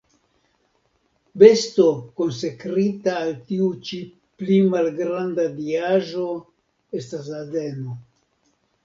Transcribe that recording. Besto konsekrita al tiu ĉi pli malgranda diaĵo estas azeno.